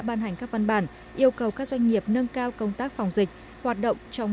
ban hành các văn bản yêu cầu các doanh nghiệp nâng cao công tác phòng dịch hoạt động trong